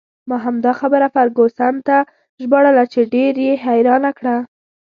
ما همدا خبره فرګوسن ته ژباړله چې ډېر یې حیرانه کړه.